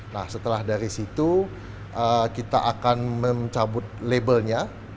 nah setelah dari situ kita akan mencabut label nya